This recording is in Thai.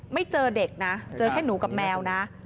ไม่เจอเด็กนะเจอแค่หนูกับแมวนะ